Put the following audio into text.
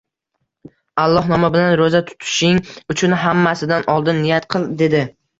Alloh nomi bilan ro`za tutishing uchun hammasidan oldin niyat qil, dedi